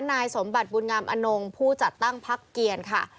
นายสมบัติบุญงามอนงผู้จัดตั้งพักเกียรค่ะ